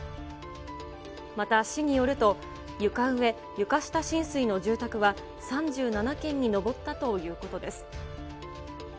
また、市によると、床上・床下浸水の住宅は、３７軒に上ったということです。